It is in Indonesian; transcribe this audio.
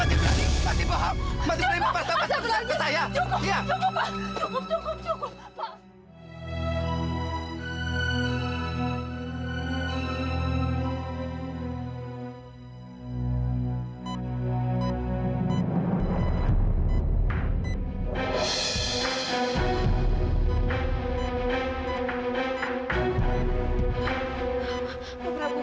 iya mati berani mati bohong